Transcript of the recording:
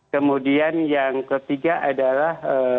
kemudian yang ketiga adalah